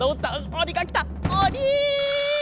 おに！